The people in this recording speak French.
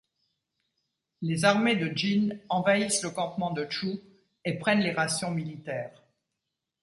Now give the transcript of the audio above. Les armées de Jin envahissent le campement de Chu, et prennent les rations militaires.